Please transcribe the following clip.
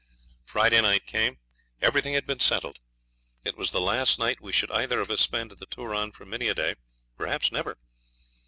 Friday night came; everything had been settled. It was the last night we should either of us spend at the Turon for many a day perhaps never.